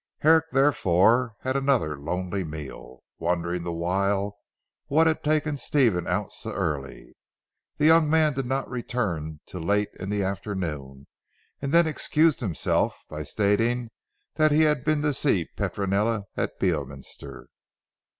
Herrick therefore had another lonely meal, wondering the while what had taken Stephen out so early. The young man did not return till late in the afternoon, and then excused himself by stating that he had been to see Petronella at Beorminster.